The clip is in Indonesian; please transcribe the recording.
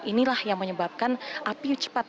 inilah yang menyebabkan api cepat